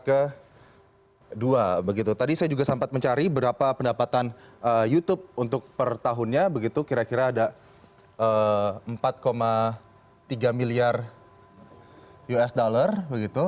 nah ini juga di peringkat kedua begitu tadi saya juga sampai mencari berapa pendapatan youtube untuk per tahunnya begitu kira kira ada empat tiga miliar usd begitu